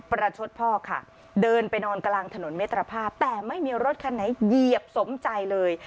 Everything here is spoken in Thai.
ประชดพ่อค่ะเดินไปนอนกลางถนนมิตรภาพแต่ไม่มีรถคันไหนเหยียบสมใจเลย